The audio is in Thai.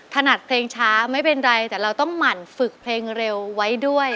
ถนัดเพลงช้าไม่เป็นไรแต่เราต้องหมั่นฝึกเพลงเร็วไว้ด้วย